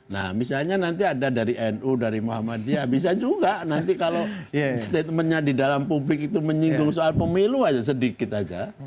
nah misalnya nanti ada dari nu dari muhammadiyah bisa juga nanti kalau statementnya di dalam publik itu menyinggung soal pemilu aja sedikit saja